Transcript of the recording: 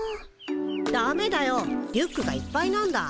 ダメだよリュックがいっぱいなんだ。